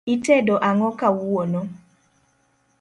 Itedo ang'o kawuono